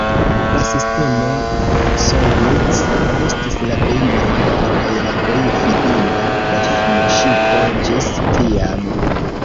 La sistemo Sojuz estis la plej malnova kaj la plej fidinda kosmoŝipo ĝis tiam.